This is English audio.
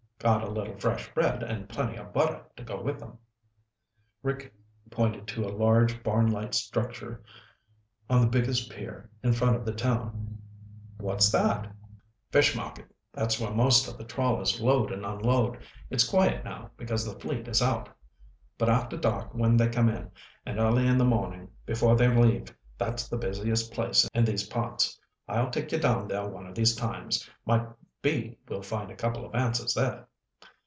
Got a little fresh bread and plenty of butter to go with 'em." Rick pointed to a large barnlike structure on the biggest pier in front of the town. "What's that?" "Fish market. That's where most of the trawlers load and unload. It's quiet now, because the fleet is out, but after dark when they come in, and early in the morning before they leave that's the busiest place in these parts. I'll take you down there one of these times. Might be we'll find a couple of answers there."